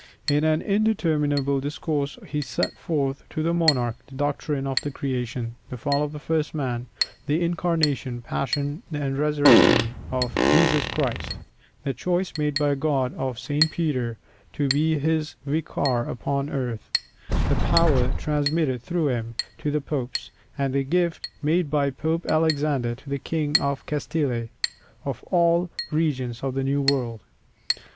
In an interminable discourse he set forth to the monarch the doctrine of the creation, the fall of the first man, the Incarnation, Passion, and Resurrection of our Lord Jesus Christ, the choice made by God of St. Peter to be His vicar upon earth, the power transmitted through him to the Popes, and the gift made by Pope Alexander to the King of Castille of all the regions of the New World.